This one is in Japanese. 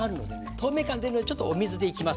透明感出るのでちょっとお水でいきます。